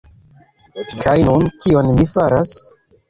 Kaj nun... kion mi faras?